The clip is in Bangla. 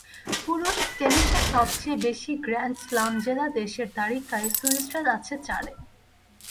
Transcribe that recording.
পুরুষ টেনিসে সবচেয়ে বেশি গ্র্যান্ড স্লাম জেতা দেশের তালিকায় সুইসরা আছে চারে।